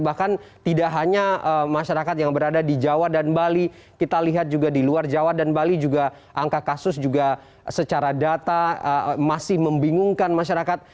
bahkan tidak hanya masyarakat yang berada di jawa dan bali kita lihat juga di luar jawa dan bali juga angka kasus juga secara data masih membingungkan masyarakat